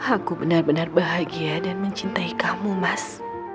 aku benar benar bahagia dan mencintai kamu mas